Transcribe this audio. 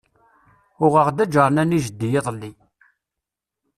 Uɣeɣ-d aǧarnan i jeddi iḍelli.